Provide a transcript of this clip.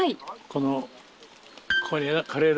この。